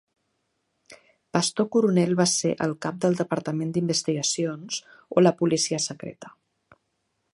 Pastor Coronel va ser el cap del Departament d'investigacions, o la policia secreta.